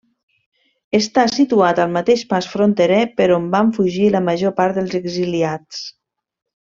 Està situat al mateix pas fronterer per on van fugir la major part dels exiliats.